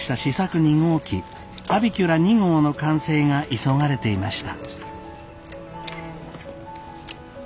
２号機アビキュラ２号の完成が急がれていました。